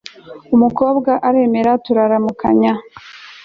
umukobwa aremera turaramukanya